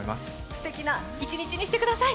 すてきな一日にしてください。